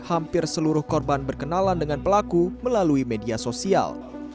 hampir seluruh korban berkenalan dengan pelaku melalui media sosial